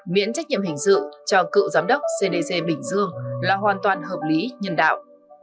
miễn trách nhiệm hình sự cho cựu giám đốc cdc bình dương là hoàn toàn hợp lý nhân đạo